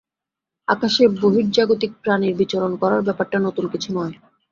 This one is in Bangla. আকাশে বহির্জাগতিক প্রাণীর বিচরণ করার ব্যাপারটা নতুন কিছু নয়।